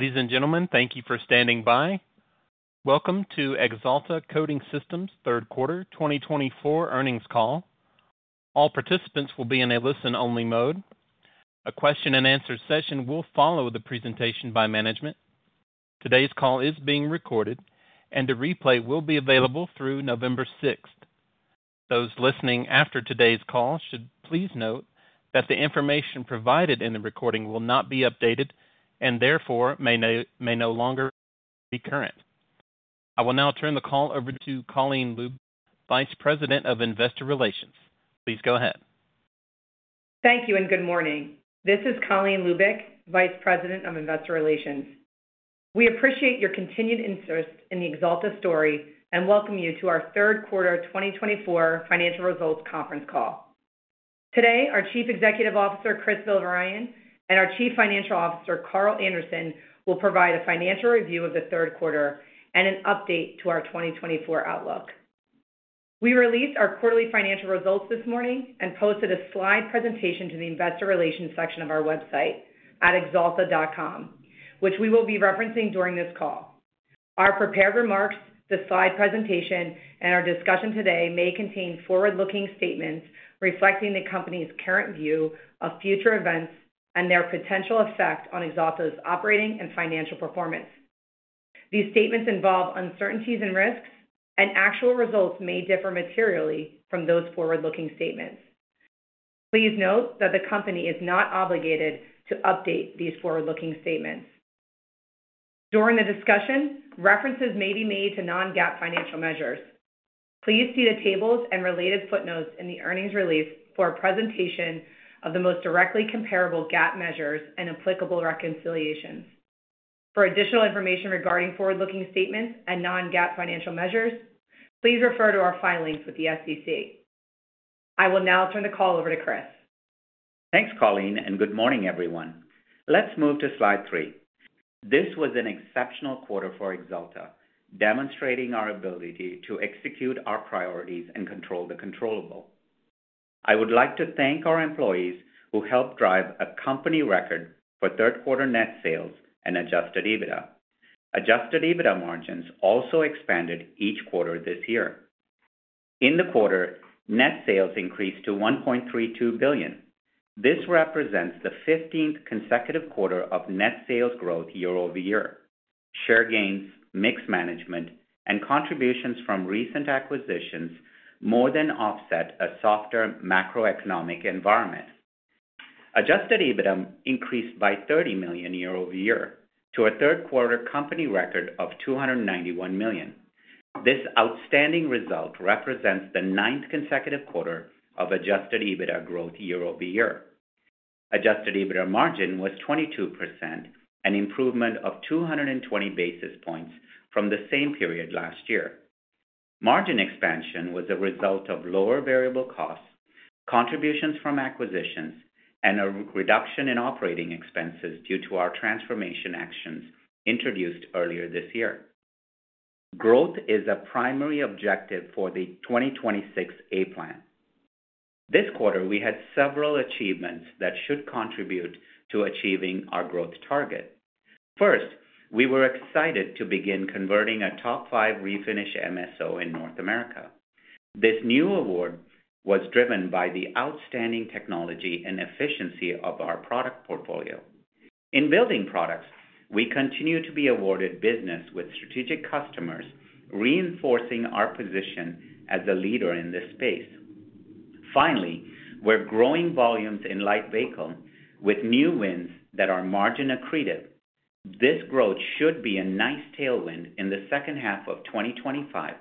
Ladies and gentlemen, thank you for standing by. Welcome to Axalta Coating Systems' Third Quarter 2024 Earnings Call. All participants will be in a listen-only mode. A question-and-answer session will follow the presentation by management. Today's call is being recorded, and a replay will be available through November 6th. Those listening after today's call should please note that the information provided in the recording will not be updated and therefore may no longer be current. I will now turn the call over to Colleen Lubic, Vice President of Investor Relations. Please go ahead. Thank you and good morning. This is Colleen Lubic, Vice President of Investor Relations. We appreciate your continued interest in the Axalta story and welcome you to our third quarter 2024 financial results conference call. Today, our Chief Executive Officer, Chris Villavarayan, and our Chief Financial Officer, Carl Anderson, will provide a financial review of the third quarter and an update to our 2024 outlook. We released our quarterly financial results this morning and posted a slide presentation to the Investor Relations section of our website at axalta.com, which we will be referencing during this call. Our prepared remarks, the slide presentation, and our discussion today may contain forward-looking statements reflecting the company's current view of future events and their potential effect on Axalta's operating and financial performance. These statements involve uncertainties and risks, and actual results may differ materially from those forward-looking statements. Please note that the company is not obligated to update these forward-looking statements. During the discussion, references may be made to non-GAAP financial measures. Please see the tables and related footnotes in the earnings release for a presentation of the most directly comparable GAAP measures and applicable reconciliations. For additional information regarding forward-looking statements and non-GAAP financial measures, please refer to our filings with the SEC. I will now turn the call over to Chris. Thanks, Colleen, and good morning, everyone. Let's move to slide three. This was an exceptional quarter for Axalta, demonstrating our ability to execute our priorities and control the controllable. I would like to thank our employees who helped drive a company record for third-quarter net sales and adjusted EBITDA. Adjusted EBITDA margins also expanded each quarter this year. In the quarter, net sales increased to $1.32 billion. This represents the 15th consecutive quarter of net sales growth year-over-year. Share gains, mix management, and contributions from recent acquisitions more than offset a softer macroeconomic environment. Adjusted EBITDA increased by $30 million year-over-year to a third-quarter company record of $291 million. This outstanding result represents the ninth consecutive quarter of adjusted EBITDA growth year-over-year. Adjusted EBITDA margin was 22%, an improvement of 220 basis points from the same period last year. Margin expansion was a result of lower variable costs, contributions from acquisitions, and a reduction in operating expenses due to our transformation actions introduced earlier this year. Growth is a primary objective for the 2026 A-Plan. This quarter, we had several achievements that should contribute to achieving our growth target. First, we were excited to begin converting a top five refinish MSO in North America. This new award was driven by the outstanding technology and efficiency of our product portfolio. In building products, we continue to be awarded business with strategic customers, reinforcing our position as a leader in this space. Finally, we're growing volumes in light vehicle with new wins that are margin accretive. This growth should be a nice tailwind in the second half of 2025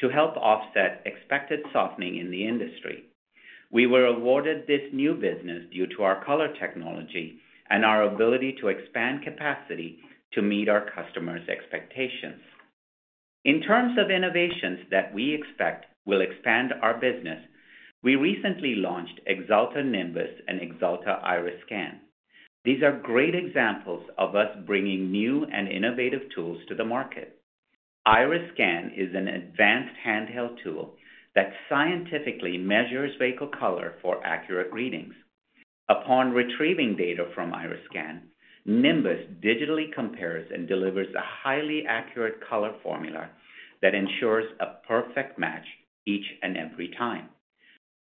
to help offset expected softening in the industry. We were awarded this new business due to our color technology and our ability to expand capacity to meet our customers' expectations. In terms of innovations that we expect will expand our business, we recently launched Axalta Nimbus and Axalta Irus Scan. These are great examples of us bringing new and innovative tools to the market. Irus Scan is an advanced handheld tool that scientifically measures vehicle color for accurate readings. Upon retrieving data from Irus Scan, Nimbus digitally compares and delivers a highly accurate color formula that ensures a perfect match each and every time.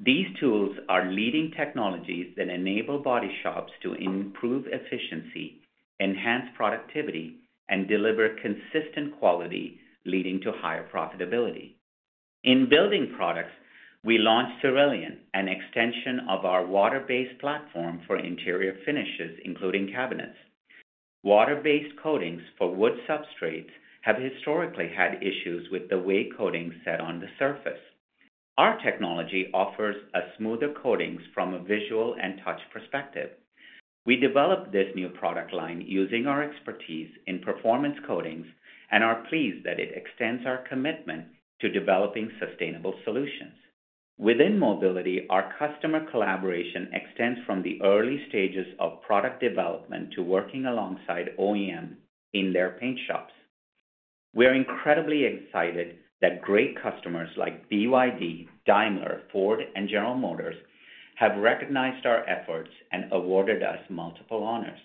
These tools are leading technologies that enable body shops to improve efficiency, enhance productivity, and deliver consistent quality, leading to higher profitability. In building products, we launched Cerulean, an extension of our water-based platform for interior finishes, including cabinets. Water-based coatings for wood substrates have historically had issues with the way coatings set on the surface. Our technology offers smoother coatings from a visual and touch perspective. We developed this new product line using our expertise in performance coatings and are pleased that it extends our commitment to developing sustainable solutions. Within Mobility, our customer collaboration extends from the early stages of product development to working alongside OEM in their paint shops. We're incredibly excited that great customers like BYD, Daimler, Ford, and General Motors have recognized our efforts and awarded us multiple honors.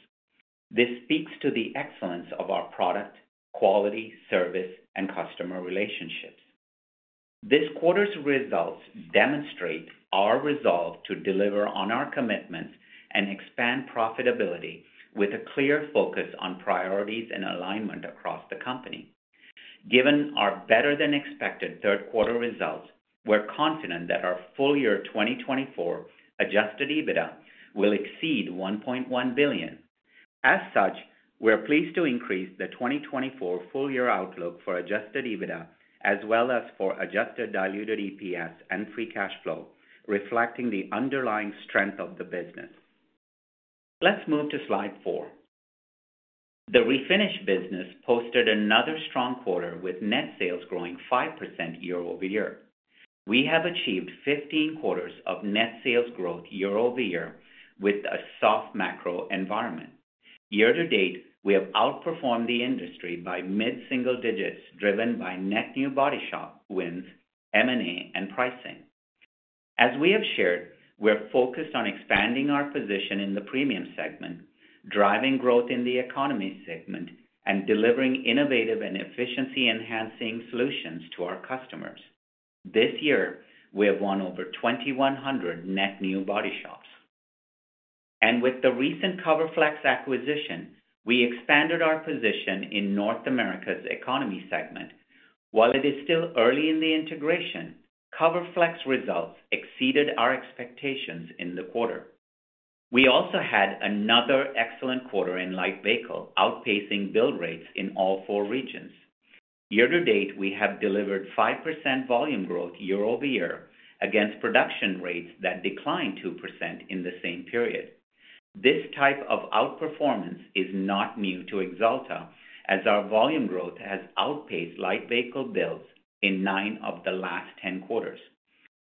This speaks to the excellence of our product, quality, service, and customer relationships. This quarter's results demonstrate our resolve to deliver on our commitments and expand profitability with a clear focus on priorities and alignment across the company. Given our better-than-expected third-quarter results, we're confident that our full year 2024 adjusted EBITDA will exceed $1.1 billion. As such, we're pleased to increase the 2024 full year outlook for adjusted EBITDA as well as for adjusted diluted EPS and free cash flow, reflecting the underlying strength of the business. Let's move to slide four. The refinish business posted another strong quarter with net sales growing 5% year-over-year. We have achieved 15 quarters of net sales growth year-over-year with a soft macro environment. Year to date, we have outperformed the industry by mid-single digits, driven by net new body shop wins, M&A, and pricing. As we have shared, we're focused on expanding our position in the premium segment, driving growth in the economy segment, and delivering innovative and efficiency-enhancing solutions to our customers. This year, we have won over 2,100 net new body shops. With the recent CoverFlexx acquisition, we expanded our position in North America's economy segment. While it is still early in the integration, CoverFlexx results exceeded our expectations in the quarter. We also had another excellent quarter in light vehicle, outpacing build rates in all four regions. Year to date, we have delivered 5% volume growth year-over-year against production rates that declined 2% in the same period. This type of outperformance is not new to Axalta, as our volume growth has outpaced light vehicle builds in nine of the last 10 quarters.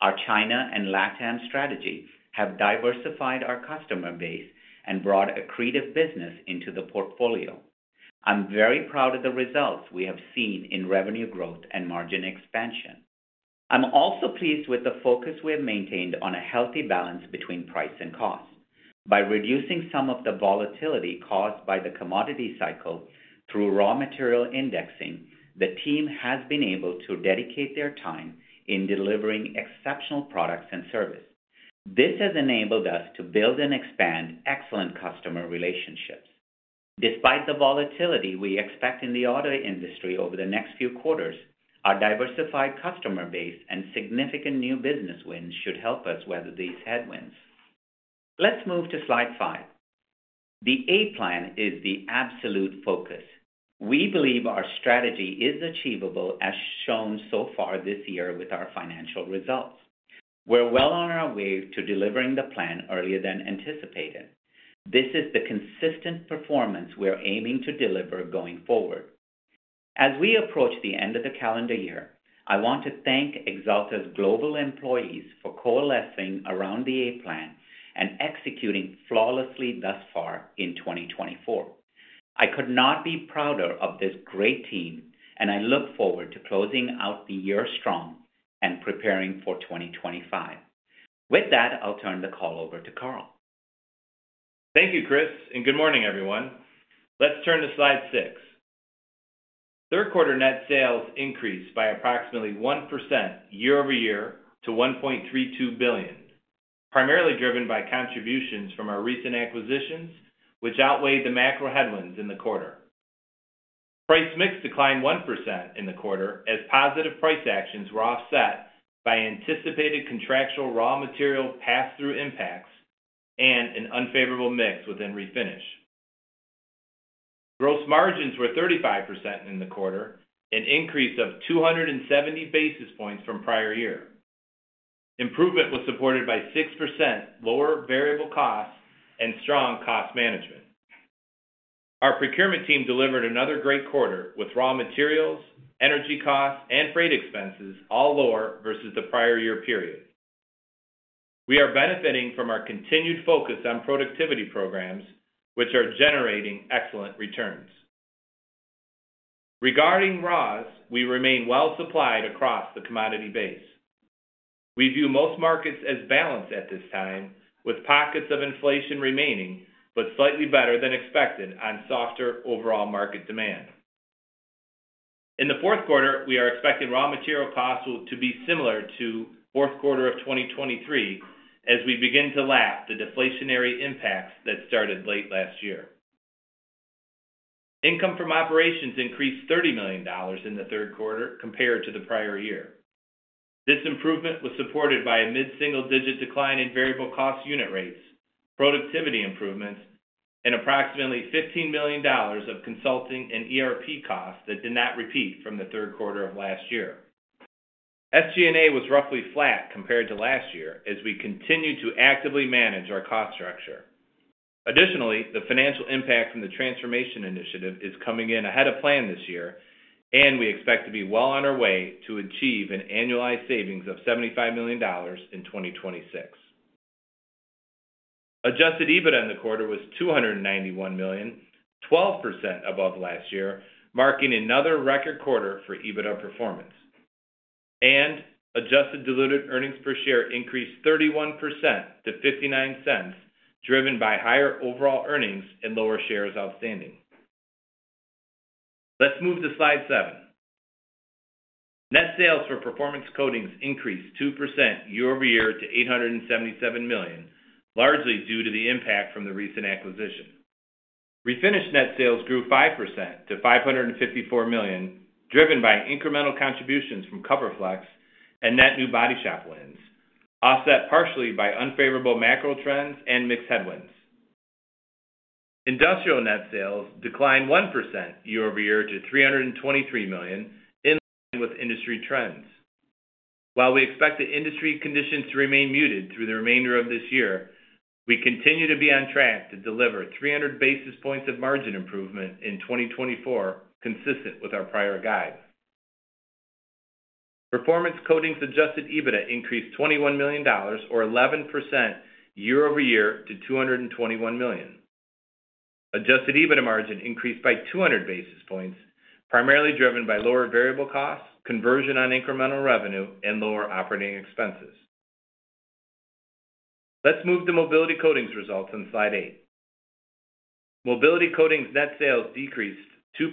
Our China and LATAM strategy have diversified our customer base and brought accretive business into the portfolio. I'm very proud of the results we have seen in revenue growth and margin expansion. I'm also pleased with the focus we have maintained on a healthy balance between price and cost. By reducing some of the volatility caused by the commodity cycle through raw material indexing, the team has been able to dedicate their time in delivering exceptional products and service. This has enabled us to build and expand excellent customer relationships. Despite the volatility we expect in the auto industry over the next few quarters, our diversified customer base and significant new business wins should help us weather these headwinds. Let's move to slide five. The A-Plan is the absolute focus. We believe our strategy is achievable, as shown so far this year with our financial results. We're well on our way to delivering the plan earlier than anticipated. This is the consistent performance we're aiming to deliver going forward. As we approach the end of the calendar year, I want to thank Axalta's global employees for coalescing around the A-Plan and executing flawlessly thus far in 2024. I could not be prouder of this great team, and I look forward to closing out the year strong and preparing for 2025. With that, I'll turn the call over to Carl. Thank you, Chris, and good morning, everyone. Let's turn to slide six. Third quarter net sales increased by approximately 1% year-over-year to $1.32 billion, primarily driven by contributions from our recent acquisitions, which outweighed the macro headwinds in the quarter. Price mix declined 1% in the quarter as positive price actions were offset by anticipated contractual raw material pass-through impacts and an unfavorable mix within refinish. Gross margins were 35% in the quarter, an increase of 270 basis points from prior year. Improvement was supported by 6% lower variable costs and strong cost management. Our procurement team delivered another great quarter with raw materials, energy costs, and freight expenses all lower versus the prior year period. We are benefiting from our continued focus on productivity programs, which are generating excellent returns. Regarding raws, we remain well supplied across the commodity base. We view most markets as balanced at this time, with pockets of inflation remaining but slightly better than expected on softer overall market demand. In the fourth quarter, we are expecting raw material costs to be similar to the fourth quarter of 2023 as we begin to lap the deflationary impacts that started late last year. Income from operations increased $30 million in the third quarter compared to the prior year. This improvement was supported by a mid-single digit decline in variable cost unit rates, productivity improvements, and approximately $15 million of consulting and ERP costs that did not repeat from the third quarter of last year. SG&A was roughly flat compared to last year as we continue to actively manage our cost structure. Additionally, the financial impact from the Transformation Initiative is coming in ahead of plan this year, and we expect to be well on our way to achieve an annualized savings of $75 million in 2026. Adjusted EBITDA in the quarter was $291 million, 12% above last year, marking another record quarter for EBITDA performance, and adjusted diluted earnings per share increased 31% to $0.59, driven by higher overall earnings and lower shares outstanding. Let's move to slide seven. Net sales for performance coatings increased 2% year-over-year to $877 million, largely due to the impact from the recent acquisition. Refinish net sales grew 5% to $554 million, driven by incremental contributions from CoverFlexx and net new body shop wins, offset partially by unfavorable macro trends and mix headwinds. Industrial net sales declined 1% year-over-year to $323 million in line with industry trends. While we expect the industry conditions to remain muted through the remainder of this year, we continue to be on track to deliver 300 basis points of margin improvement in 2024, consistent with our prior guide. Performance coatings adjusted EBITDA increased $21 million, or 11% year-over-year, to $221 million. Adjusted EBITDA margin increased by 200 basis points, primarily driven by lower variable costs, conversion on incremental revenue, and lower operating expenses. Let's move to Mobility coatings results in slide eight. Mobility coatings net sales decreased 2%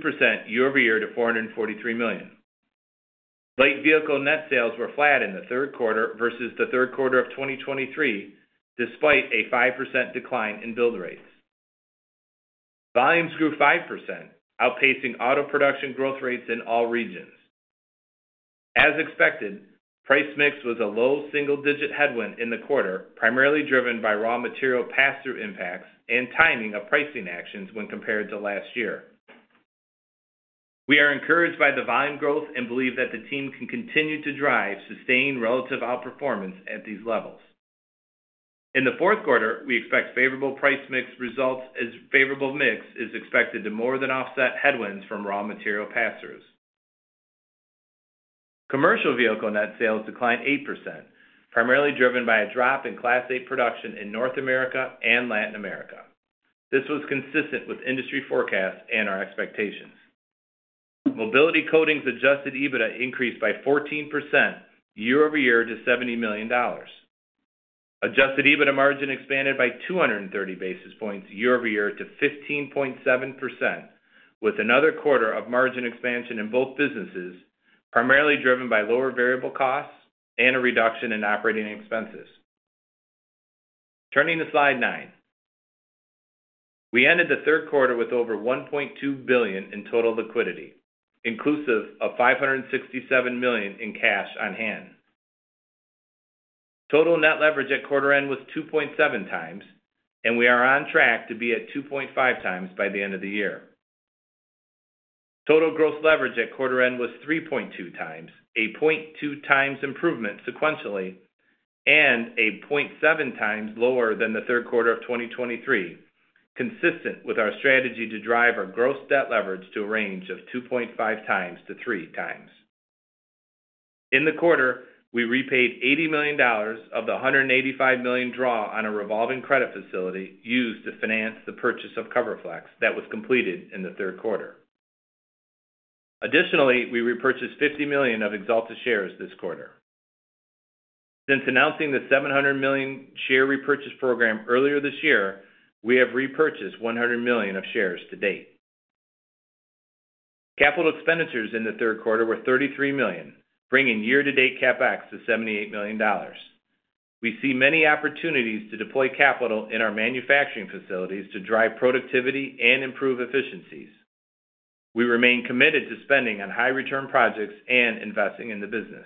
year-over-year to $443 million. Light vehicle net sales were flat in the third quarter versus the third quarter of 2023, despite a 5% decline in build rates. Volumes grew 5%, outpacing auto production growth rates in all regions. As expected, price mix was a low single-digit headwind in the quarter, primarily driven by raw material pass-through impacts and timing of pricing actions when compared to last year. We are encouraged by the volume growth and believe that the team can continue to drive sustained relative outperformance at these levels. In the fourth quarter, we expect favorable price mix results as favorable mix is expected to more than offset headwinds from raw material pass-throughs. Commercial vehicle net sales declined 8%, primarily driven by a drop in Class 8 production in North America and Latin America. This was consistent with industry forecasts and our expectations. Mobility coatings Adjusted EBITDA increased by 14% year-over-year to $70 million. Adjusted EBITDA margin expanded by 230 basis points year-over-year to 15.7%, with another quarter of margin expansion in both businesses, primarily driven by lower variable costs and a reduction in operating expenses. Turning to slide nine. We ended the third quarter with over $1.2 billion in total liquidity, inclusive of $567 million in cash on hand. Total net leverage at quarter end was 2.7x, and we are on track to be at 2.5x by the end of the year. Total gross leverage at quarter end was 3.2x, a 0.2x improvement sequentially, and a 0.7x lower than the third quarter of 2023, consistent with our strategy to drive our gross debt leverage to a range of 2.5x-3x. In the quarter, we repaid $80 million of the $185 million draw on a revolving credit facility used to finance the purchase of CoverFlexx that was completed in the third quarter. Additionally, we repurchased $50 million of Axalta shares this quarter. Since announcing the $700 million share repurchase program earlier this year, we have repurchased $100 million of shares to date. Capital expenditures in the third quarter were $33 million, bringing year-to-date CapEx to $78 million. We see many opportunities to deploy capital in our manufacturing facilities to drive productivity and improve efficiencies. We remain committed to spending on high-return projects and investing in the business.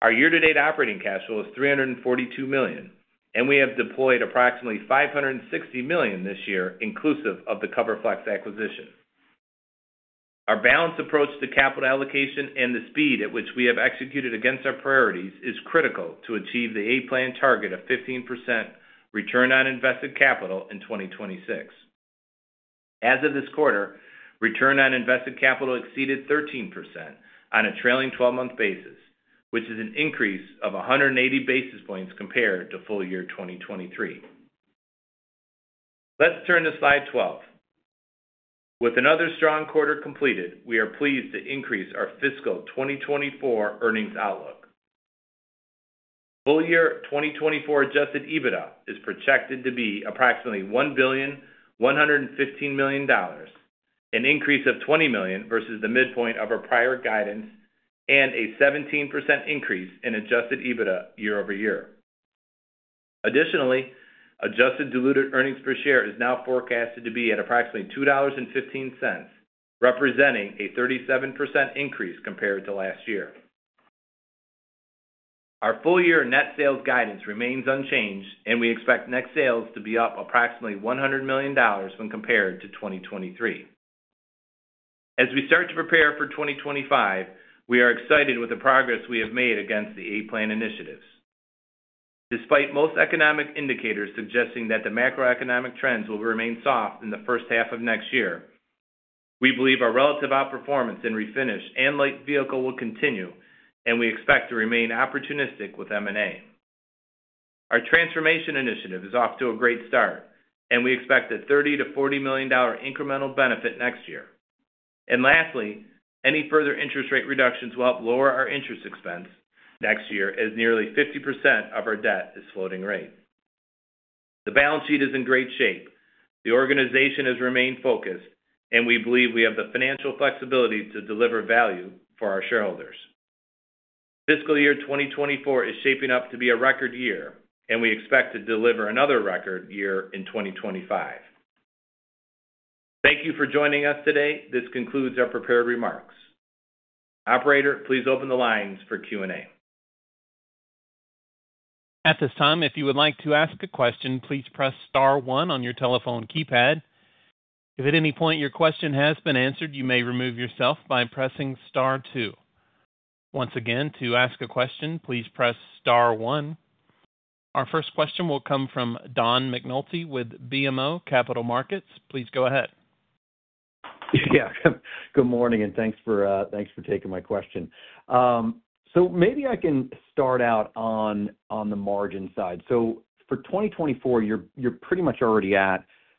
Our year-to-date operating cash flow is $342 million, and we have deployed approximately $560 million this year, inclusive of the CoverFlexx acquisition. Our balanced approach to capital allocation and the speed at which we have executed against our priorities is critical to achieve the A-Plan target of 15% return on invested capital in 2026. As of this quarter, return on invested capital exceeded 13% on a trailing 12-month basis, which is an increase of 180 basis points compared to full year 2023. Let's turn to slide 12. With another strong quarter completed, we are pleased to increase our fiscal 2024 earnings outlook. Full year 2024 Adjusted EBITDA is projected to be approximately $1.115 billion, an increase of $20 million versus the midpoint of our prior guidance, and a 17% increase in Adjusted EBITDA year-over-year. Additionally, adjusted diluted earnings per share is now forecasted to be at approximately $2.15, representing a 37% increase compared to last year. Our full year net sales guidance remains unchanged, and we expect net sales to be up approximately $100 million when compared to 2023. As we start to prepare for 2025, we are excited with the progress we have made against the A-Plan initiatives. Despite most economic indicators suggesting that the macroeconomic trends will remain soft in the first half of next year, we believe our relative outperformance in refinish and light vehicle will continue, and we expect to remain opportunistic with M&A. Our transformation initiative is off to a great start, and we expect a $30 million-$40 million incremental benefit next year. And lastly, any further interest rate reductions will help lower our interest expense next year as nearly 50% of our debt is floating rate. The balance sheet is in great shape. The organization has remained focused, and we believe we have the financial flexibility to deliver value for our shareholders. Fiscal year 2024 is shaping up to be a record year, and we expect to deliver another record year in 2025. Thank you for joining us today. This concludes our prepared remarks. Operator, please open the lines for Q&A. At this time, if you would like to ask a question, please press star one on your telephone keypad. If at any point your question has been answered, you may remove yourself by pressing star two. Once again, to ask a question, please press star one. Our first question will come from John McNulty with BMO Capital Markets. Please go ahead. Yeah, good morning, and thanks for taking my question. So maybe I can start out on the margin side. So for 2024, you're pretty much already at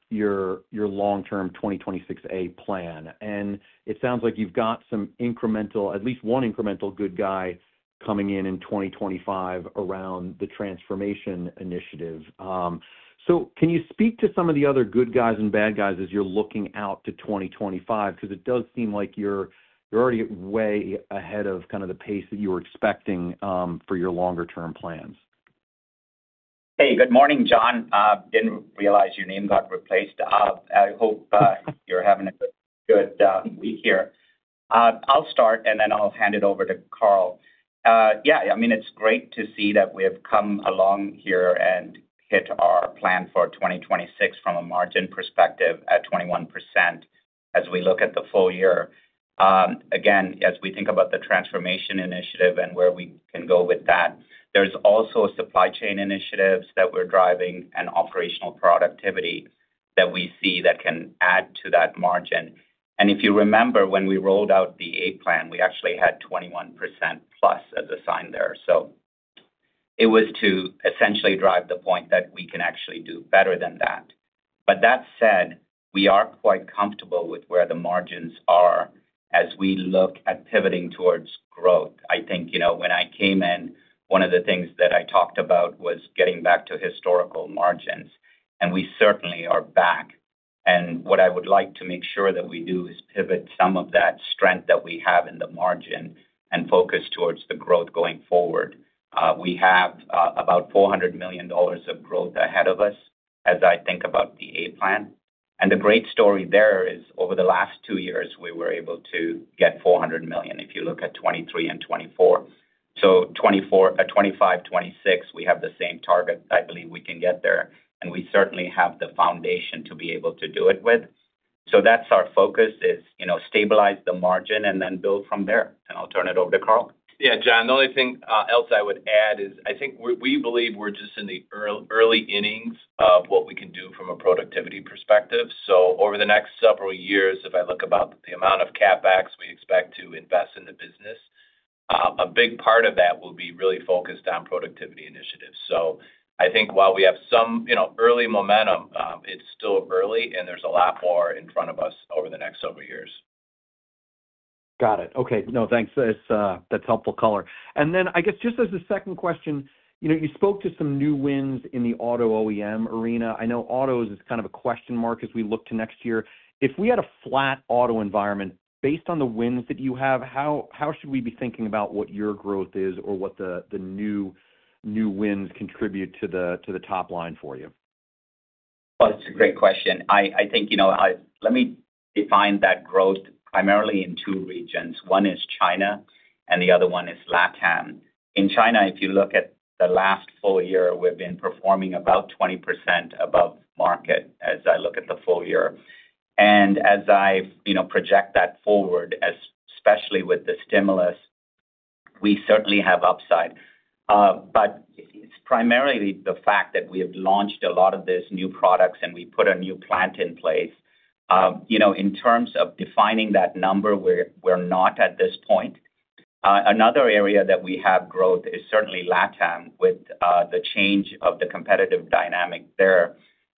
your long-term 2026 A-Plan, and it sounds like you've got some incremental, at least one incremental good guy coming in in 2025 around the Transformation Initiative. So can you speak to some of the other good guys and bad guys as you're looking out to 2025? Because it does seem like you're already way ahead of kind of the pace that you were expecting for your longer-term plans. Hey, good morning, John. Didn't realize your name got replaced. I hope you're having a good week here. I'll start, and then I'll hand it over to Carl. Yeah, I mean, it's great to see that we have come along here and hit our plan for 2026 from a margin perspective at 21% as we look at the full year. Again, as we think about the Transformation Initiative and where we can go with that, there's also supply chain initiatives that we're driving and operational productivity that we see that can add to that margin. And if you remember, when we rolled out the A-Plan, we actually had 21% plus as a sign there. So it was to essentially drive the point that we can actually do better than that. But that said, we are quite comfortable with where the margins are as we look at pivoting towards growth. I think when I came in, one of the things that I talked about was getting back to historical margins, and we certainly are back. And what I would like to make sure that we do is pivot some of that strength that we have in the margin and focus towards the growth going forward. We have about $400 million of growth ahead of us as I think about the A-Plan. And the great story there is over the last two years, we were able to get $400 million if you look at 2023 and 2024. So 2024, 2025, 2026, we have the same target. I believe we can get there, and we certainly have the foundation to be able to do it with. So that's our focus is stabilize the margin and then build from there. And I'll turn it over to Carl. Yeah, John, the only thing else I would add is I think we believe we're just in the early innings of what we can do from a productivity perspective. So over the next several years, if I look about the amount of CapEx we expect to invest in the business, a big part of that will be really focused on productivity initiatives. So I think while we have some early momentum, it's still early, and there's a lot more in front of us over the next several years. Got it. Okay. No, thanks. That's helpful, Chris. And then I guess just as a second question, you spoke to some new wins in the auto OEM arena. I know autos is kind of a question mark as we look to next year. If we had a flat auto environment, based on the wins that you have, how should we be thinking about what your growth is or what the new wins contribute to the top line for you? It's a great question. I think let me define that growth primarily in two regions. One is China, and the other one is LATAM. In China, if you look at the last full year, we've been performing about 20% above market as I look at the full year. As I project that forward, especially with the stimulus, we certainly have upside. It's primarily the fact that we have launched a lot of these new products and we put a new plant in place. In terms of defining that number, we're not at this point. Another area that we have growth is certainly LATAM with the change of the competitive dynamic there.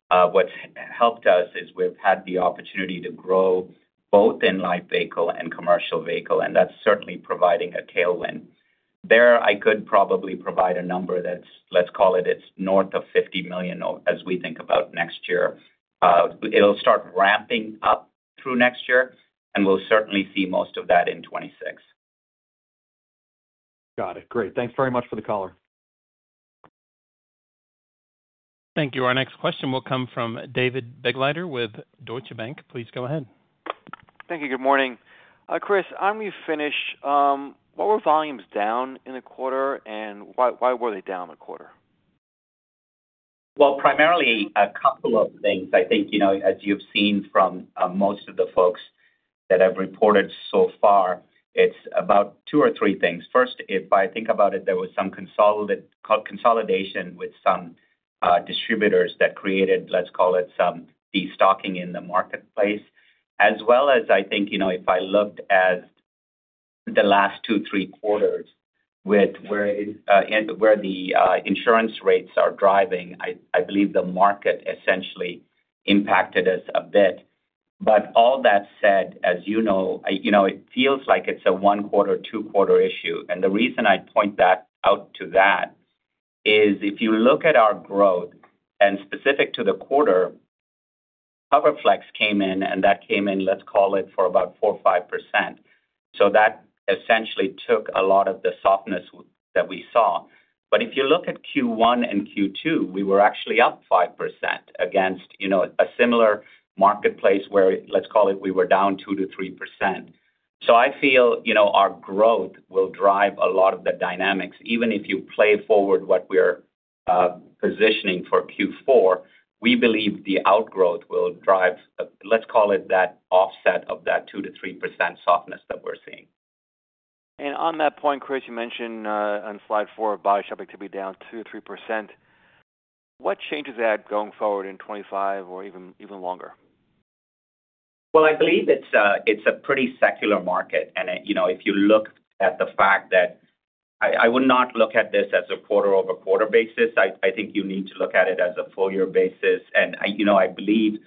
What's helped us is we've had the opportunity to grow both in light vehicle and commercial vehicle, and that's certainly providing a tailwind. There, I could probably provide a number that's, let's call it it's north of $50 million as we think about next year. It'll start ramping up through next year, and we'll certainly see most of that in 2026. Got it. Great. Thanks very much for the call. Thank you. Our next question will come from David Begleiter with Deutsche Bank. Please go ahead. Thank you. Good morning. Chris, on refinish, what were volumes down in the quarter, and why were they down the quarter? Primarily a couple of things. I think as you've seen from most of the folks that have reported so far, it's about two or three things. First, if I think about it, there was some consolidation with some distributors that created, let's call it some destocking in the marketplace. As well as I think if I looked at the last two, three quarters with where the insurance rates are driving, I believe the market essentially impacted us a bit. But all that said, as you know, it feels like it's a one-quarter, two-quarter issue. And the reason I point that out to that is if you look at our growth and specific to the quarter, CoverFlexx came in, and that came in, let's call it for about 4%-5%. So that essentially took a lot of the softness that we saw. But if you look at Q1 and Q2, we were actually up 5% against a similar marketplace where, let's call it we were down 2%-3%. So I feel our growth will drive a lot of the dynamics. Even if you play forward what we're positioning for Q4, we believe the outgrowth will drive, let's call it that offset of that 2%-3% softness that we're seeing. On that point, Chris, you mentioned on slide four, body shop to be down 2%-3%. What changes that going forward in 2025 or even longer? I believe it's a pretty secular market. If you look at the fact that I would not look at this as a quarter-over-quarter basis. I think you need to look at it as a full year basis. I believe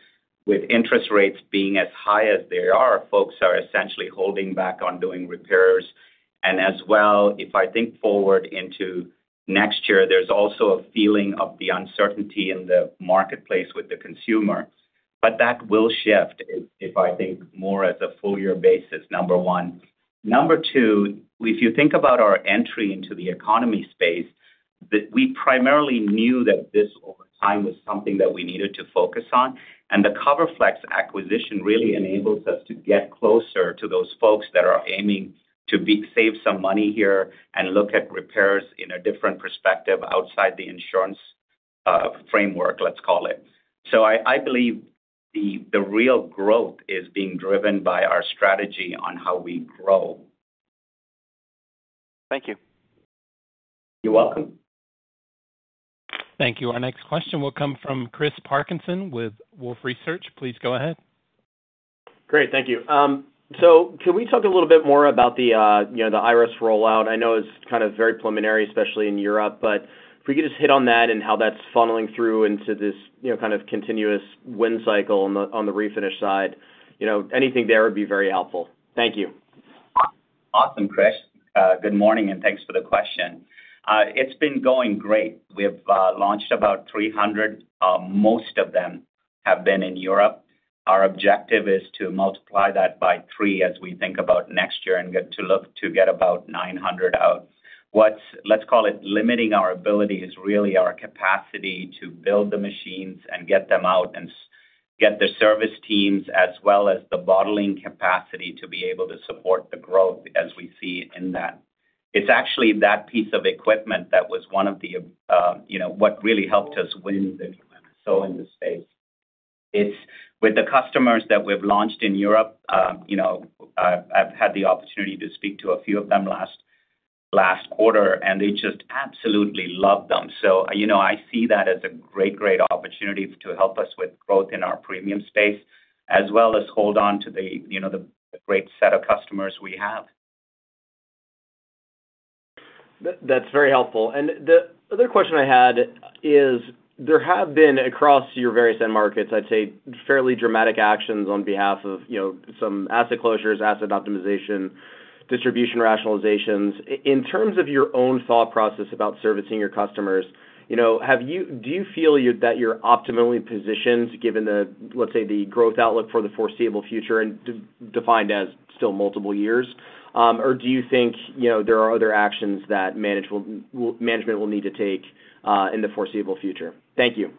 with interest rates being as high as they are, folks are essentially holding back on doing repairs. As well, if I think forward into next year, there's also a feeling of the uncertainty in the marketplace with the consumer. That will shift if I think more as a full year basis, number one. Number two, if you think about our entry into the economy space, we primarily knew that this over time was something that we needed to focus on. And the CoverFlexx acquisition really enables us to get closer to those folks that are aiming to save some money here and look at repairs in a different perspective outside the insurance framework, let's call it. So I believe the real growth is being driven by our strategy on how we grow. Thank you. You're welcome. Thank you. Our next question will come from Chris Parkinson with Wolfe Research. Please go ahead. Great. Thank you. So can we talk a little bit more about the Irus rollout? I know it's kind of very preliminary, especially in Europe. But if we could just hit on that and how that's funneling through into this kind of continuous win cycle on the refinish side, anything there would be very helpful. Thank you. Awesome, Chris. Good morning and thanks for the question. It's been going great. We have launched about 300. Most of them have been in Europe. Our objective is to multiply that by three as we think about next year and get to look to get about 900 out. Let's call it limiting our ability is really our capacity to build the machines and get them out and get the service teams as well as the bottling capacity to be able to support the growth as we see in that. It's actually that piece of equipment that was one of the what really helped us win the MSO in this space. With the customers that we've launched in Europe, I've had the opportunity to speak to a few of them last quarter, and they just absolutely love them. So I see that as a great, great opportunity to help us with growth in our premium space as well as hold on to the great set of customers we have. That's very helpful. And the other question I had is there have been across your various end markets, I'd say, fairly dramatic actions on behalf of some asset closures, asset optimization, distribution rationalizations. In terms of your own thought process about servicing your customers, do you feel that you're optimally positioned given, let's say, the growth outlook for the foreseeable future defined as still multiple years? Or do you think there are other actions that management will need to take in the foreseeable future? Thank you.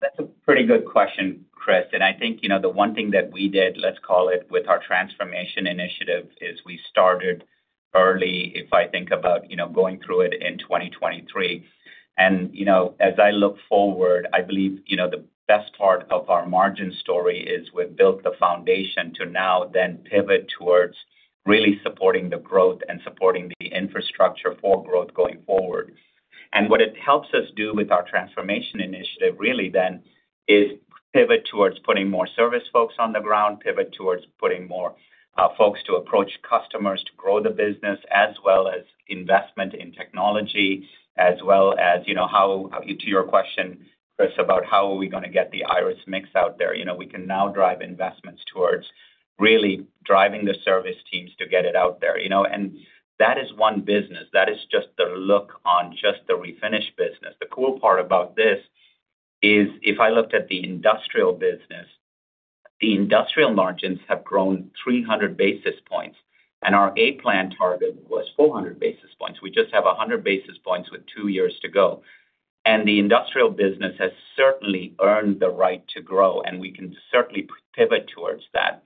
That's a pretty good question, Chris. And I think the one thing that we did, let's call it with our Transformation Initiative, is we started early if I think about going through it in 2023. And as I look forward, I believe the best part of our margin story is we've built the foundation to now then pivot towards really supporting the growth and supporting the infrastructure for growth going forward. And what it helps us do with our Transformation Initiative really then is pivot towards putting more service folks on the ground, pivot towards putting more folks to approach customers to grow the business as well as investment in technology, as well as how to your question, Chris, about how are we going to get the Irus mix out there. We can now drive investments towards really driving the service teams to get it out there. That is one business. That is just the look on just the refinish business. The cool part about this is if I looked at the industrial business, the industrial margins have grown 300 basis points, and our A-Plan target was 400 basis points. We just have 100 basis points with two years to go. The industrial business has certainly earned the right to grow, and we can certainly pivot towards that.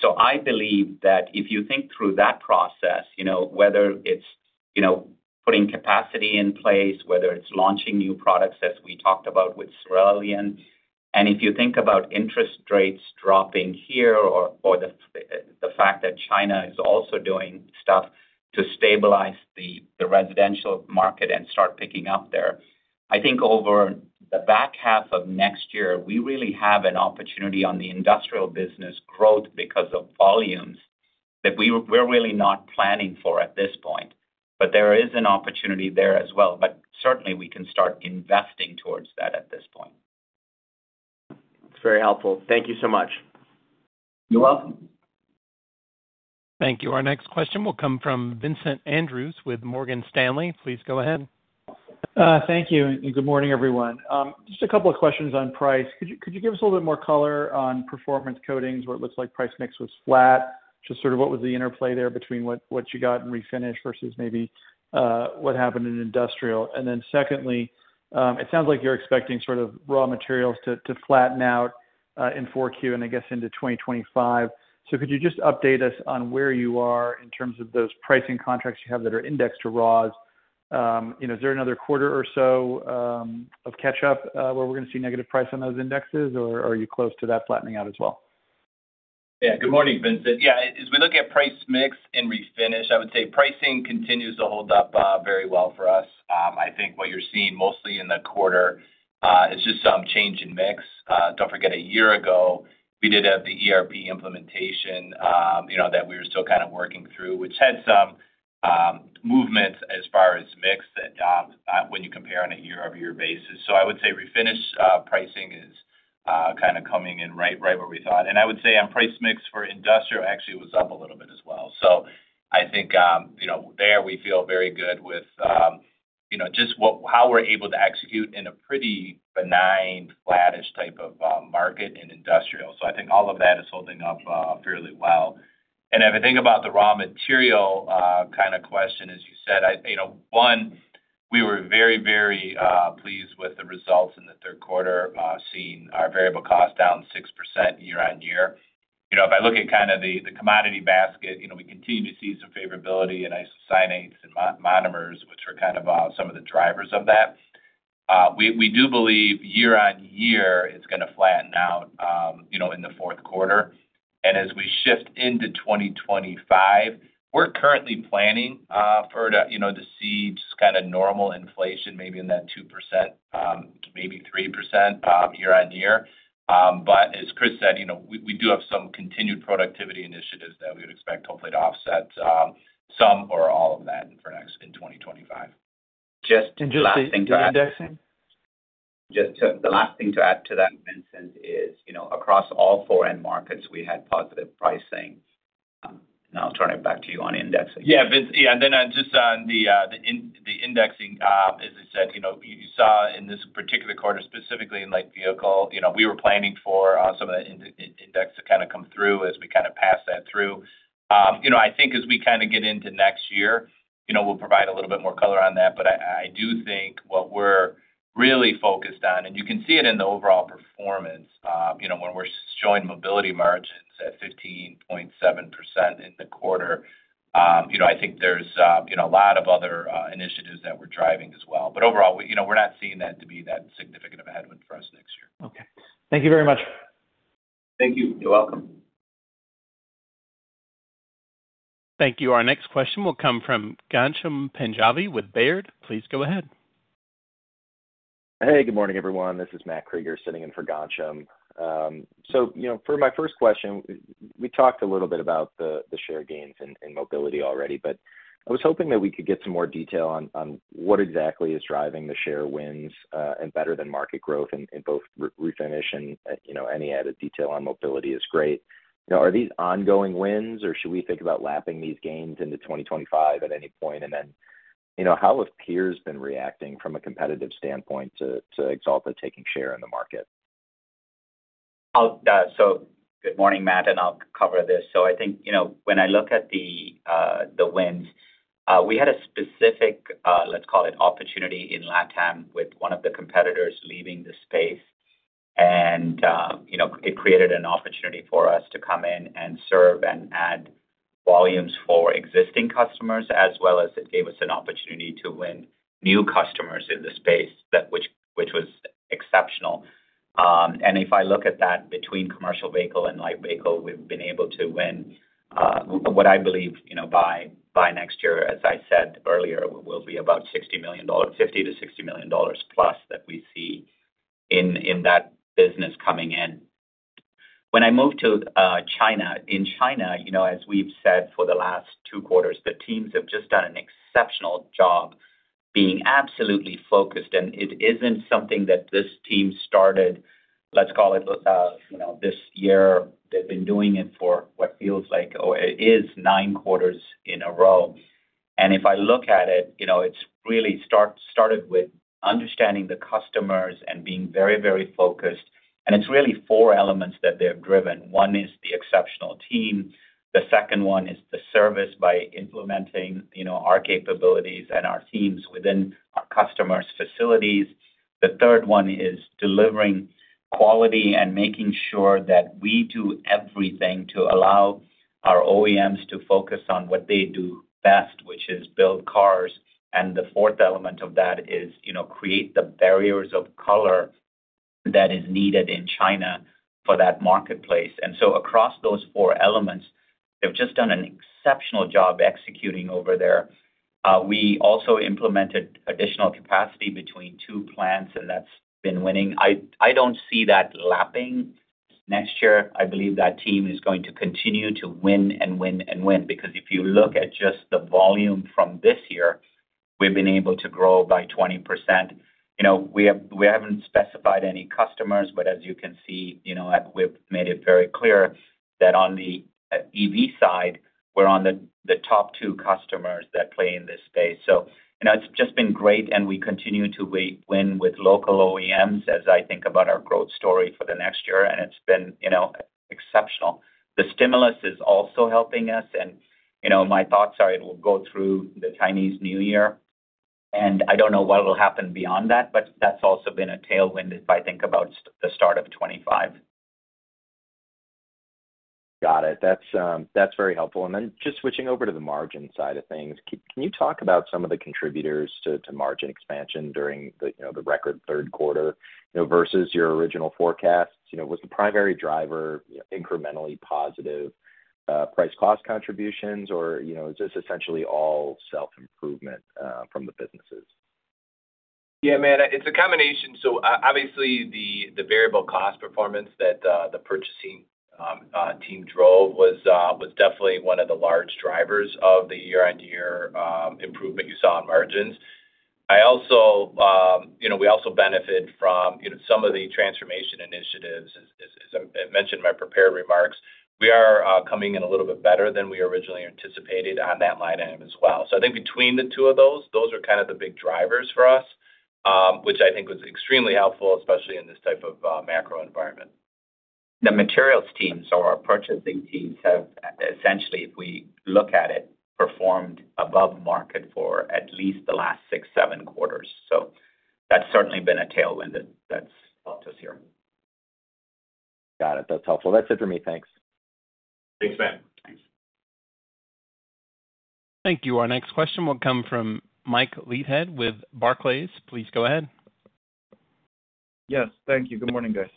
So I believe that if you think through that process, whether it's putting capacity in place, whether it's launching new products as we talked about with Cerulean, and if you think about interest rates dropping here or the fact that China is also doing stuff to stabilize the residential market and start picking up there, I think over the back half of next year, we really have an opportunity on the industrial business growth because of volumes that we're really not planning for at this point. But there is an opportunity there as well. But certainly, we can start investing towards that at this point. That's very helpful. Thank you so much. You're welcome. Thank you. Our next question will come from Vincent Andrews with Morgan Stanley. Please go ahead. Thank you and good morning, everyone. Just a couple of questions on price. Could you give us a little bit more color on performance coatings where it looks like price mix was flat? Just sort of what was the interplay there between what you got in refinish versus maybe what happened in industrial? And then secondly, it sounds like you're expecting sort of raw materials to flatten out in 4Q and I guess into 2025. So could you just update us on where you are in terms of those pricing contracts you have that are indexed to raws? Is there another quarter or so of catch-up where we're going to see negative price on those indexes, or are you close to that flattening out as well? Yeah. Good morning, Vincent. Yeah. As we look at price mix in refinish, I would say pricing continues to hold up very well for us. I think what you're seeing mostly in the quarter is just some change in mix. Don't forget a year ago, we did have the ERP implementation that we were still kind of working through, which had some movements as far as mix when you compare on a year-over-year basis, so I would say refinish pricing is kind of coming in right where we thought, and I would say on price mix for industrial, actually, it was up a little bit as well. So I think there we feel very good with just how we're able to execute in a pretty benign, flattish type of market in industrial, so I think all of that is holding up fairly well. If I think about the raw material kind of question, as you said, one, we were very, very pleased with the results in the third quarter, seeing our variable cost down 6% year-on-year. If I look at kind of the commodity basket, we continue to see some favorability in isocyanates and monomers, which are kind of some of the drivers of that. We do believe year-on-year it's going to flatten out in the fourth quarter. And as we shift into 2025, we're currently planning for to see just kind of normal inflation, maybe in that 2%, maybe 3% year-on-year. But as Chris said, we do have some continued productivity initiatives that we would expect hopefully to offset some or all of that in 2025. Just the last thing to add to that, Vincent, is across all four end markets, we had positive pricing, and I'll turn it back to you on indexing. Yeah. Yeah. And then, just on the indexing, as I said, you saw in this particular quarter, specifically in light vehicle, we were planning for some of the index to kind of come through as we kind of pass that through. I think as we kind of get into next year, we'll provide a little bit more color on that. But I do think what we're really focused on, and you can see it in the overall performance when we're showing Mobility margins at 15.7% in the quarter. I think there's a lot of other initiatives that we're driving as well. But overall, we're not seeing that to be that significant of a headwind for us next year. Okay. Thank you very much. Thank you. You're welcome. Thank you. Our next question will come from Ghansham Panjabi with Baird. Please go ahead. Hey, good morning, everyone. This is Matt Krueger sitting in for Ghansham. So for my first question, we talked a little bit about the share gains in Mobility already, but I was hoping that we could get some more detail on what exactly is driving the share wins and better than market growth in both refinish. And any added detail on Mobility is great. Are these ongoing wins, or should we think about lapping these gains into 2025 at any point? And then how have peers been reacting from a competitive standpoint to Axalta taking share in the market? Good morning, Matt, and I'll cover this. I think when I look at the wins, we had a specific, let's call it opportunity in LATAM with one of the competitors leaving the space. And it created an opportunity for us to come in and serve and add volumes for existing customers, as well as it gave us an opportunity to win new customers in the space, which was exceptional. And if I look at that between commercial vehicle and light vehicle, we've been able to win what I believe by next year, as I said earlier, will be about $50 million-$60 million plus that we see in that business coming in. When I moved to China, in China, as we've said for the last two quarters, the teams have just done an exceptional job being absolutely focused. It isn't something that this team started, let's call it this year. They've been doing it for what feels like it is nine quarters in a row. If I look at it, it's really started with understanding the customers and being very, very focused. It's really four elements that they've driven. One is the exceptional team. The second one is the service by implementing our capabilities and our teams within our customers' facilities. The third one is delivering quality and making sure that we do everything to allow our OEMs to focus on what they do best, which is build cars. The fourth element of that is create the barriers of color that is needed in China for that marketplace. Across those four elements, they've just done an exceptional job executing over there. We also implemented additional capacity between two plants, and that's been winning. I don't see that lapping. Next year, I believe that team is going to continue to win and win and win. Because if you look at just the volume from this year, we've been able to grow by 20%. We haven't specified any customers, but as you can see, we've made it very clear that on the EV side, we're on the top two customers that play in this space, so it's just been great, and we continue to win with local OEMs as I think about our growth story for the next year, and it's been exceptional. The stimulus is also helping us, and my thoughts are it will go through the Chinese New Year. I don't know what will happen beyond that, but that's also been a tailwind if I think about the start of 2025. Got it. That's very helpful. And then just switching over to the margin side of things, can you talk about some of the contributors to margin expansion during the record third quarter versus your original forecasts? Was the primary driver incrementally positive price cost contributions, or is this essentially all self-improvement from the businesses? Yeah, man. It's a combination. So obviously, the variable cost performance that the purchasing team drove was definitely one of the large drivers of the year-on-year improvement you saw in margins. We also benefit from some of the transformation initiatives, as I mentioned in my prepared remarks. We are coming in a little bit better than we originally anticipated on that line item as well. So I think between the two of those, those are kind of the big drivers for us, which I think was extremely helpful, especially in this type of macro environment. The materials teams or our purchasing teams have essentially, if we look at it, performed above market for at least the last six, seven quarters. So that's certainly been a tailwind that's helped us here. Got it. That's helpful. That's it for me. Thanks. Thanks, Matt. Thanks. Thank you. Our next question will come from Mike Leithead with Barclays. Please go ahead. Yes. Thank you. Good morning, guys.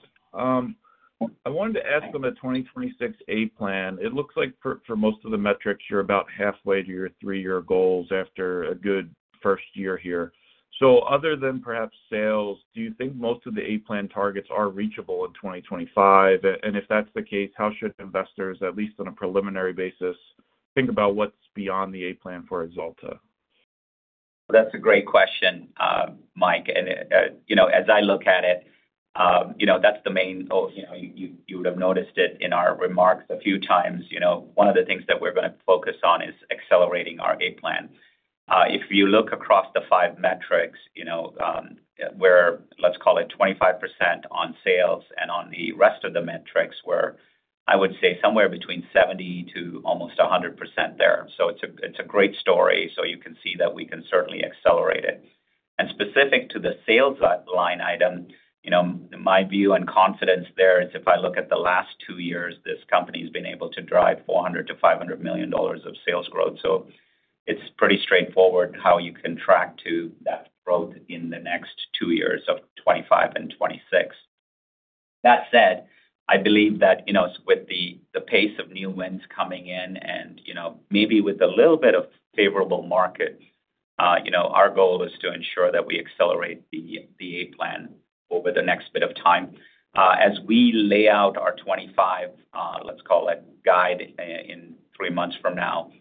I wanted to ask on the 2026 A-Plan. It looks like for most of the metrics, you're about halfway to your three-year goals after a good first year here. So other than perhaps sales, do you think most of the A-Plan targets are reachable in 2025? And if that's the case, how should investors, at least on a preliminary basis, think about what's beyond the A-Plan for Axalta? That's a great question, Mike. And as I look at it, that's the main thing you would have noticed it in our remarks a few times. One of the things that we're going to focus on is accelerating our A-Plan. If you look across the five metrics, we're, let's call it, 25% on sales. And on the rest of the metrics, we're, I would say, somewhere between 70% to almost 100% there. So it's a great story. So you can see that we can certainly accelerate it. And specific to the sales line item, my view and confidence there is if I look at the last two years, this company has been able to drive $400 million-$500 million of sales growth. So it's pretty straightforward how you can track to that growth in the next two years of 2025 and 2026. That said, I believe that with the pace of new wins coming in and maybe with a little bit of favorable markets, our goal is to ensure that we accelerate the A-Plan over the next bit of time. As we lay out our 2025, let's call it, guidance in three months from now,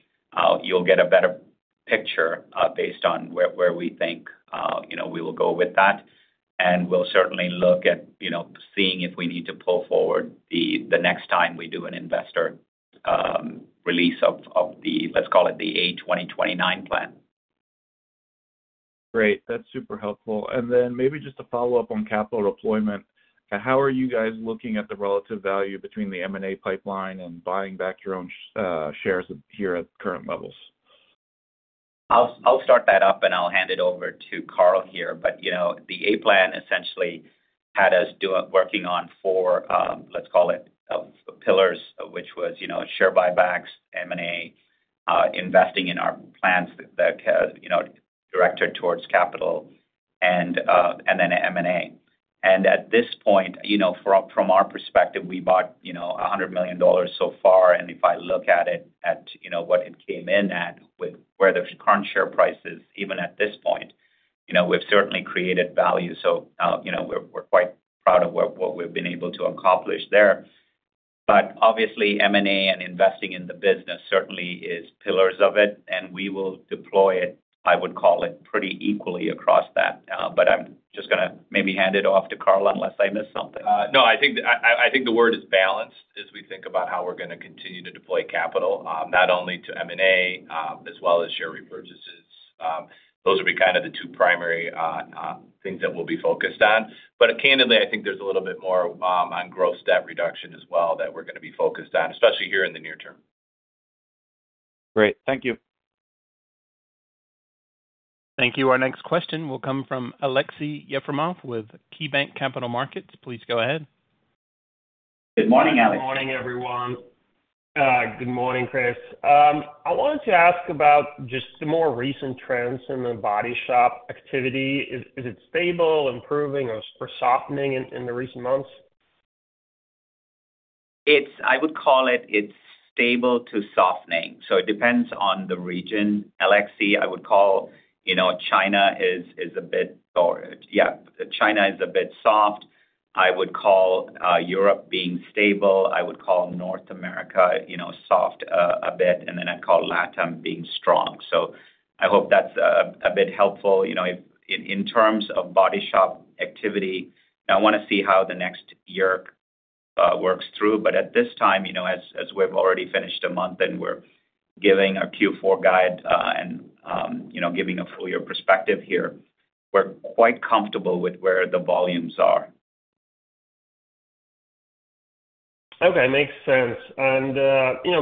you'll get a better picture based on where we think we will go with that. And we'll certainly look at seeing if we need to pull forward the next time we do an investor release of the, let's call it, the 2026 A-Plan. Great. That's super helpful. And then maybe just to follow up on capital deployment, how are you guys looking at the relative value between the M&A pipeline and buying back your own shares here at current levels? I'll start that up, and I'll hand it over to Carl here. But the A-Plan essentially had us working on four, let's call it, pillars, which was share buybacks, M&A, investing in our plans that directed towards capital, and then M&A. And at this point, from our perspective, we bought $100 million so far. And if I look at it at what it came in at with where the current share price is, even at this point, we've certainly created value. So we're quite proud of what we've been able to accomplish there. But obviously, M&A and investing in the business certainly is pillars of it. And we will deploy it, I would call it, pretty equally across that. But I'm just going to maybe hand it off to Carl unless I missed something. No, I think the word is balanced as we think about how we're going to continue to deploy capital, not only to M&A as well as share repurchases. Those will be kind of the two primary things that we'll be focused on. But candidly, I think there's a little bit more on gross debt reduction as well that we're going to be focused on, especially here in the near term. Great. Thank you. Thank you. Our next question will come from Aleksey Yefremov with KeyBanc Capital Markets. Please go ahead. Good morning, Aleksey. Good morning, everyone. Good morning, Chris. I wanted to ask about just the more recent trends in the body shop activity. Is it stable, improving, or softening in the recent months? I would call it it's stable to softening. So it depends on the region. Aleksey, I would call China is a bit yeah, China is a bit soft. I would call Europe being stable. I would call North America soft a bit. And then I'd call LATAM being strong. So I hope that's a bit helpful in terms of body shop activity. I want to see how the next year works through. But at this time, as we've already finished a month and we're giving a Q4 guide and giving a full year perspective here, we're quite comfortable with where the volumes are. Okay. Makes sense. And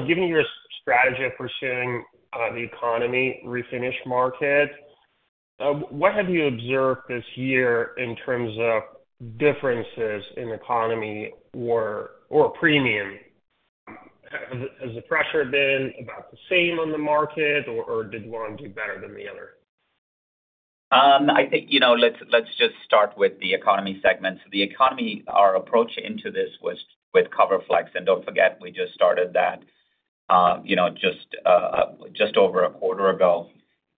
given your strategy of pursuing the economy refinish market, what have you observed this year in terms of differences in economy or premium? Has the pressure been about the same on the market, or did one do better than the other? I think, let's just start with the economy segment. The economy, our approach into this was with CoverFlexx. And do not forget, we just started that just over a quarter ago.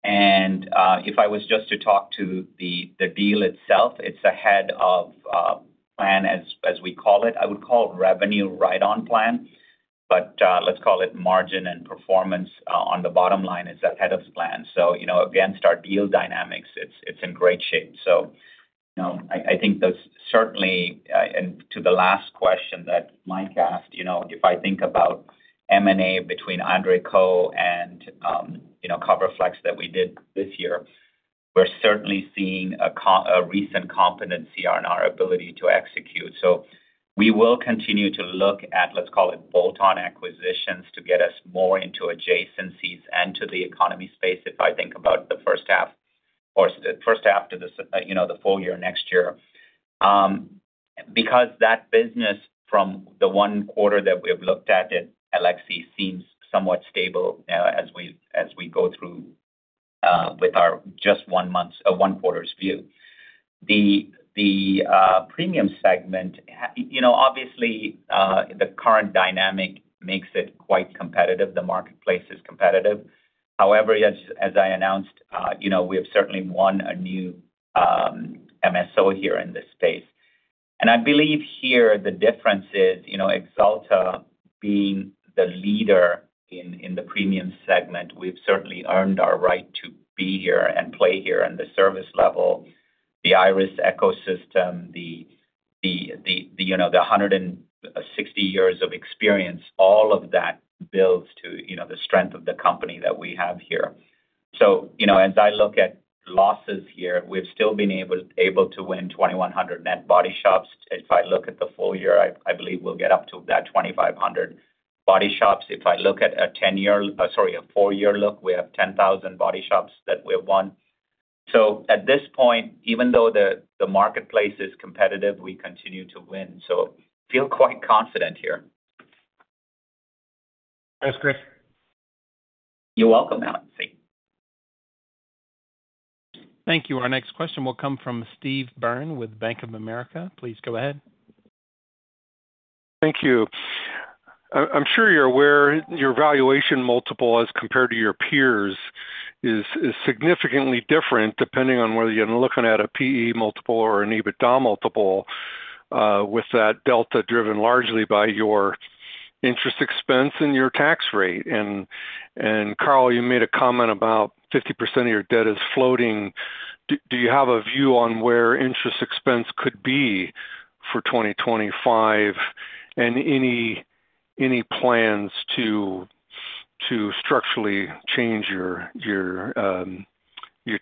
If I was just to talk to the deal itself, it is ahead of plan, as we call it. I would call revenue right on plan, but let's call it; margin and performance on the bottom line is ahead of plan. Against our deal dynamics, it is in great shape. I think there is certainly, to the last question that Mike asked, if I think about M&A between André Koch and CoverFlexx that we did this year, we are certainly seeing a recent competency on our ability to execute. So we will continue to look at, let's call it, bolt-on acquisitions to get us more into adjacencies and to the economy space if I think about the first half or the first half to the full year next year. Because that business from the one quarter that we have looked at, Alexei, seems somewhat stable as we go through with our just one quarter's view. The premium segment, obviously, the current dynamic makes it quite competitive. The marketplace is competitive. However, as I announced, we have certainly won a new MSO here in this space. And I believe here the difference is Axalta being the leader in the premium segment. We've certainly earned our right to be here and play here on the service level, the Irus ecosystem, the 160 years of experience. All of that builds to the strength of the company that we have here. So as I look at losses here, we've still been able to win 2,100 net body shops. If I look at the full year, I believe we'll get up to about 2,500 body shops. If I look at a 10-year sorry, a four-year look, we have 10,000 body shops that we have won. So at this point, even though the marketplace is competitive, we continue to win. So feel quite confident here. Thanks, Chris. You're welcome, Aleksey. Thank you. Our next question will come from Steve Byrne with Bank of America. Please go ahead. Thank you. I'm sure you're aware your valuation multiple as compared to your peers is significantly different depending on whether you're looking at a PE multiple or an EBITDA multiple, with that delta driven largely by your interest expense and your tax rate. And Carl, you made a comment about 50% of your debt is floating. Do you have a view on where interest expense could be for 2025 and any plans to structurally change your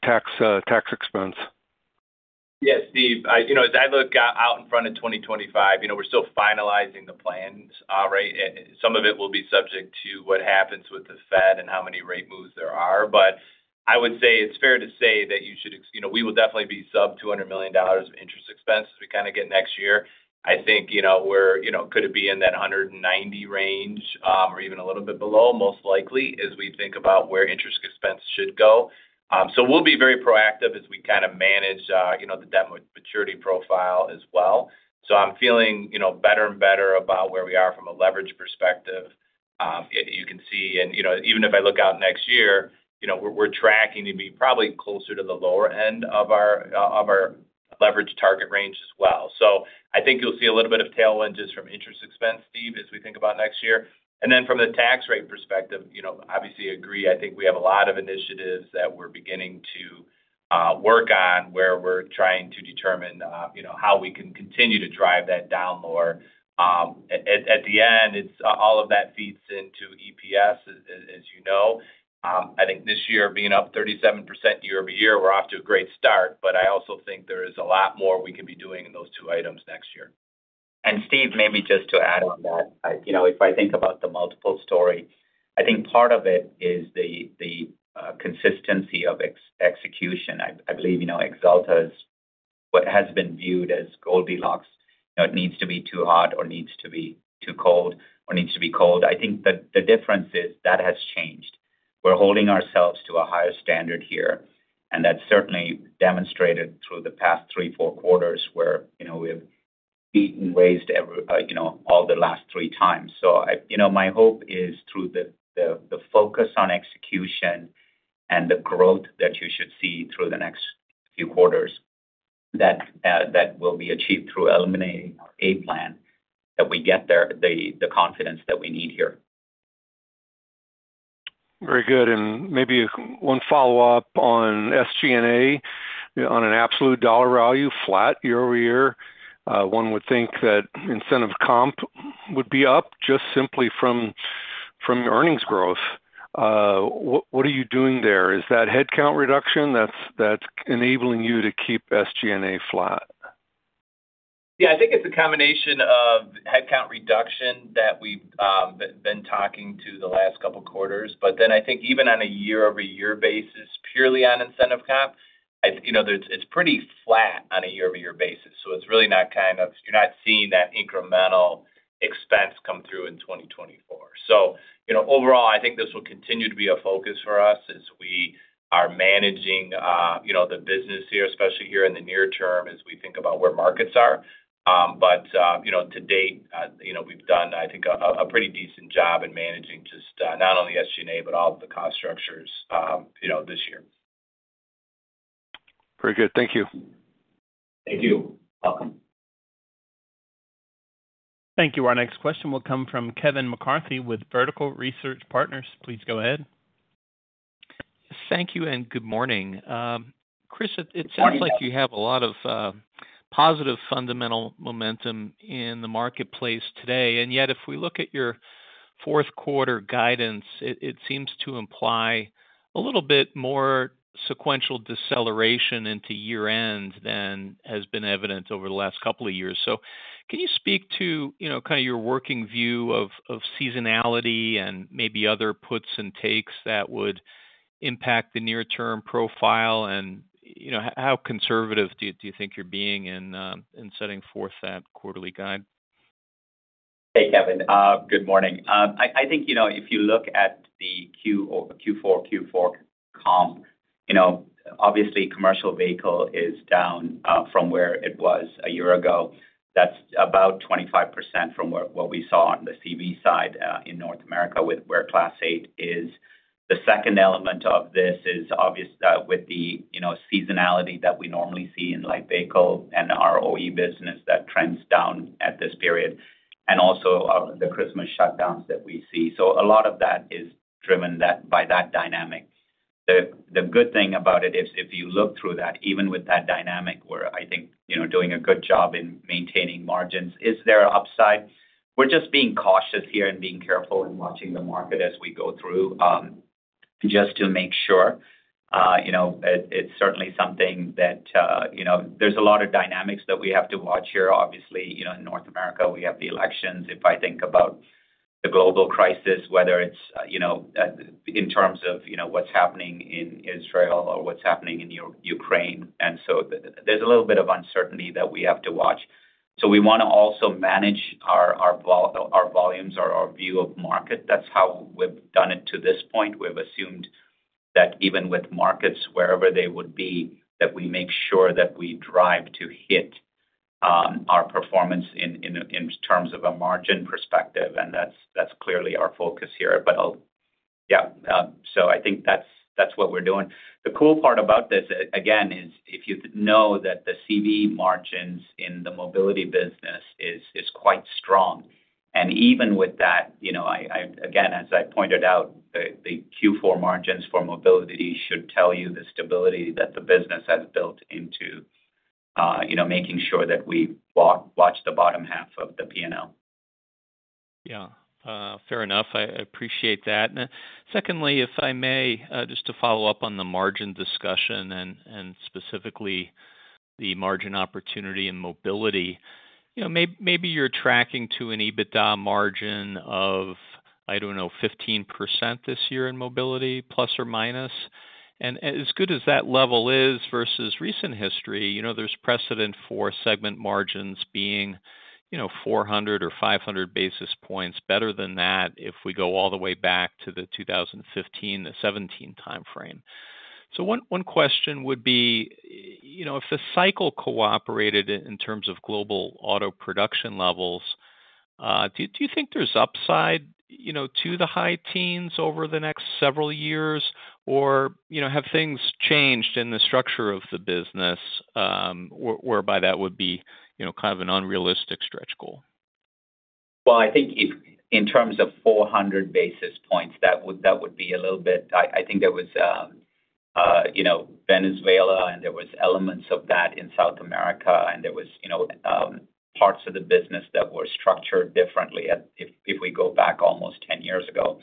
tax expense? Yes, Steve. As I look out in front of 2025, we're still finalizing the plans, right? Some of it will be subject to what happens with the Fed and how many rate moves there are. But I would say it's fair to say that we will definitely be sub $200 million of interest expense as we kind of get next year. I think we could be in that 190 range or even a little bit below, most likely, as we think about where interest expense should go. So we'll be very proactive as we kind of manage the debt maturity profile as well. So I'm feeling better and better about where we are from a leverage perspective. You can see. Even if I look out next year, we're tracking to be probably closer to the lower end of our leverage target range as well. So I think you'll see a little bit of tailwind just from interest expense, Steve, as we think about next year. And then from the tax rate perspective, obviously, agree. I think we have a lot of initiatives that we're beginning to work on where we're trying to determine how we can continue to drive that down lower. At the end, all of that feeds into EPS, as you know. I think this year, being up 37% year-over-year, we're off to a great start. But I also think there is a lot more we can be doing in those two items next year. And Steve, maybe just to add on that, if I think about the multiple story, I think part of it is the consistency of execution. I believe Axalta is what has been viewed as Goldilocks. It needs to be too hot or needs to be too cold or needs to be cold. I think the difference is that has changed. We're holding ourselves to a higher standard here. And that's certainly demonstrated through the past three, four quarters where we've beaten and raised all the last three times. So my hope is through the focus on execution and the growth that you should see through the next few quarters that will be achieved through eliminating our A-Plan that we get the confidence that we need here. Very good. And maybe one follow-up on SG&A on an absolute dollar value flat year-over-year. One would think that incentive comp would be up just simply from your earnings growth. What are you doing there? Is that headcount reduction that's enabling you to keep SG&A flat? Yeah. I think it's a combination of headcount reduction that we've been talking to the last couple of quarters. But then I think even on a year-over-year basis, purely on incentive comp, it's pretty flat on a year-over-year basis. So it's really not kind of you're not seeing that incremental expense come through in 2024. So overall, I think this will continue to be a focus for us as we are managing the business here, especially here in the near term as we think about where markets are. But to date, we've done, I think, a pretty decent job in managing just not only SG&A, but all of the cost structures this year. Very good. Thank you. Thank you. Welcome. Thank you. Our next question will come from Kevin McCarthy with Vertical Research Partners. Please go ahead. Thank you and good morning. Chris, it sounds like you have a lot of positive fundamental momentum in the marketplace today. And yet, if we look at your fourth quarter guidance, it seems to imply a little bit more sequential deceleration into year-end than has been evident over the last couple of years. So can you speak to kind of your working view of seasonality and maybe other puts and takes that would impact the near-term profile? And how conservative do you think you're being in setting forth that quarterly guide? Hey, Kevin. Good morning. I think if you look at the Q4, Q4 comp, obviously, commercial vehicle is down from where it was a year ago. That's about 25% from what we saw on the CV side in North America with where Class 8 is. The second element of this is obvious with the seasonality that we normally see in light vehicle and our OE business that trends down at this period and also the Christmas shutdowns that we see. So a lot of that is driven by that dynamic. The good thing about it is if you look through that, even with that dynamic, we're, I think, doing a good job in maintaining margins. Is there upside? We're just being cautious here and being careful and watching the market as we go through just to make sure. It's certainly something that there's a lot of dynamics that we have to watch here. Obviously, in North America, we have the elections. If I think about the global crisis, whether it's in terms of what's happening in Israel or what's happening in Ukraine. And so there's a little bit of uncertainty that we have to watch. So we want to also manage our volumes, our view of market. That's how we've done it to this point. We've assumed that even with markets, wherever they would be, that we make sure that we drive to hit our performance in terms of a margin perspective. And that's clearly our focus here. But yeah. So I think that's what we're doing. The cool part about this, again, is if you know that the CV margins in the Mobility business is quite strong. And even with that, again, as I pointed out, the Q4 margins for Mobility should tell you the stability that the business has built into making sure that we watch the bottom half of the P&L. Yeah. Fair enough. I appreciate that. Secondly, if I may, just to follow up on the margin discussion and specifically the margin opportunity in Mobility, maybe you're tracking to an EBITDA margin of, I don't know, 15% this year in Mobility, plus or minus. And as good as that level is versus recent history, there's precedent for segment margins being 400 or 500 basis points better than that if we go all the way back to the 2015-2017 timeframe. So one question would be, if the cycle cooperated in terms of global auto production levels, do you think there's upside to the high teens over the next several years, or have things changed in the structure of the business whereby that would be kind of an unrealistic stretch goal? I think in terms of 400 basis points, that would be a little bit. I think there was Venezuela, and there were elements of that in South America, and there were parts of the business that were structured differently if we go back almost 10 years ago.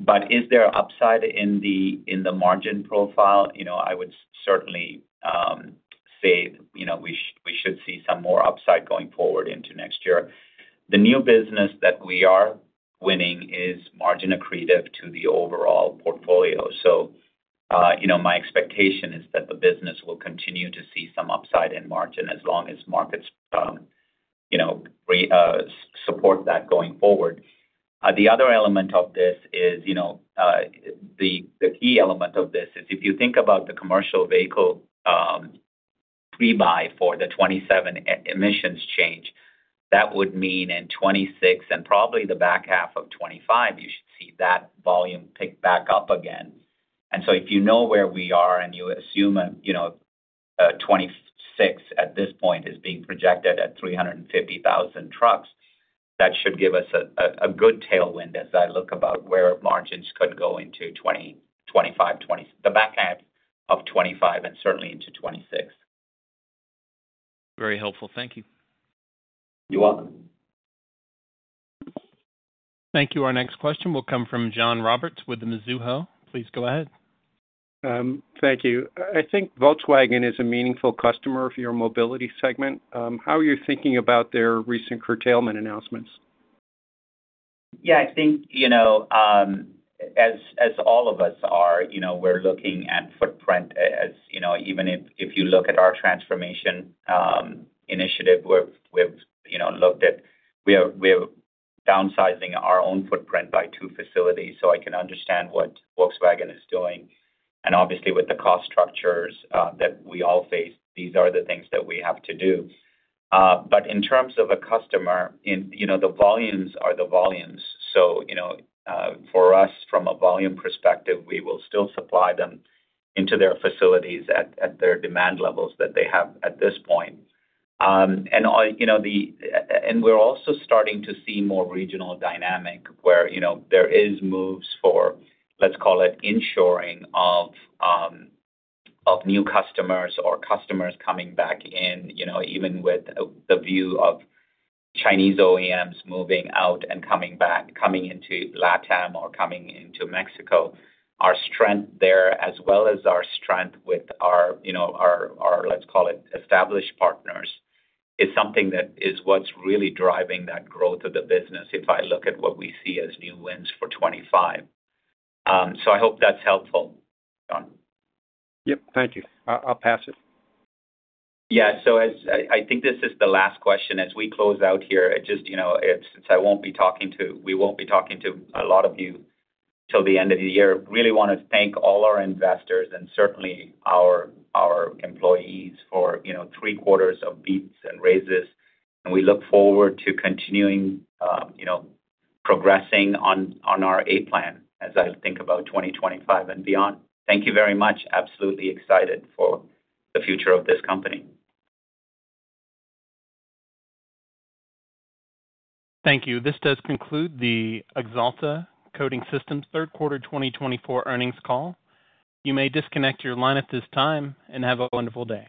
But is there upside in the margin profile? I would certainly say we should see some more upside going forward into next year. The new business that we are winning is margin accretive to the overall portfolio. So my expectation is that the business will continue to see some upside in margin as long as markets support that going forward. The other element of this is the key element of this is if you think about the commercial vehicle rebuy for the 2027 emissions change, that would mean in 2026 and probably the back half of 2025, you should see that volume pick back up again, and so if you know where we are and you assume 2026 at this point is being projected at 350,000 trucks, that should give us a good tailwind as I look about where margins could go into 2025, the back half of 2025, and certainly into 2026. Very helpful. Thank you. You're welcome. Thank you. Our next question will come from John Roberts with Mizuho. Please go ahead. Thank you. I think Volkswagen is a meaningful customer for your Mobility segment. How are you thinking about their recent curtailment announcements? Yeah. I think as all of us are, we're looking at footprint. Even if you look at our Transformation Initiative, we've looked at downsizing our own footprint by two facilities. So I can understand what Volkswagen is doing. And obviously, with the cost structures that we all face, these are the things that we have to do. But in terms of a customer, the volumes are the volumes. So for us, from a volume perspective, we will still supply them into their facilities at their demand levels that they have at this point. And we're also starting to see more regional dynamic where there are moves for, let's call it, in-sourcing of new customers or customers coming back in, even with the view of Chinese OEMs moving out and coming back, coming into LATAM or coming into Mexico. Our strength there, as well as our strength with our, let's call it, established partners, is something that is what's really driving that growth of the business if I look at what we see as new wins for 2025. So I hope that's helpful, John. Yep. Thank you. I'll pass it. Yeah. So I think this is the last question. As we close out here, it's just since we won't be talking to a lot of you till the end of the year. Really want to thank all our investors and certainly our employees for three quarters of beats and raises. And we look forward to continuing progressing on our A-Plan as I think about 2025 and beyond. Thank you very much. Absolutely excited for the future of this company. Thank you. This does conclude the Axalta Coating Systems third quarter 2024 earnings call. You may disconnect your line at this time and have a wonderful day.